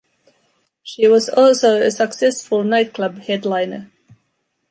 She was also a successful nightclub headliner.